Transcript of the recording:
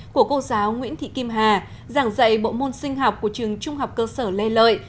của cô giáo nguyễn thị kim hà giảng dạy bộ môn sinh học của trường trung học cơ sở lê lợi